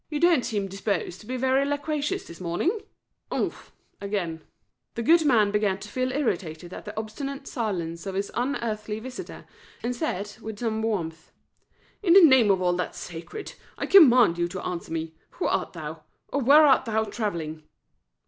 "You don't seem disposed to be very loquacious this morning." "Umph," again. The good man began to feel irritated at the obstinate silence of his unearthly visitor, and said, with some warmth "In the name of all that's sacred, I command you to answer me, Who art thou, or where art thou travelling?"